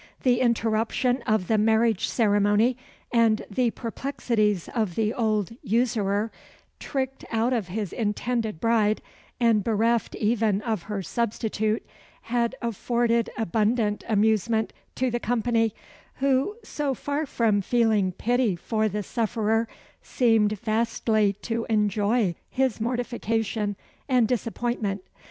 The interruption of the marriage ceremony, and the perplexities of the old usurer, tricked out of his intended bride, and bereft even of her substitute, had afforded abundant amusement to the company, who, so far from feeling pity for the sufferer, seemed vastly to enjoy his mortification and disappointment.